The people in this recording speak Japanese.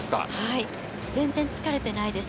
全然疲れていないです。